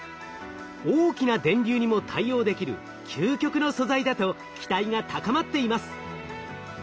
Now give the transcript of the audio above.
大きな電流にも対応できる究極の素材だと期待が高まっています。